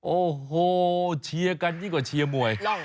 โอ้โหเชียร์กันยิ่งกว่าเชียร์มวย